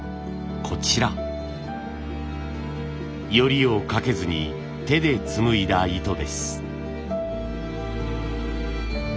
撚りをかけずに手でつむいだ糸です。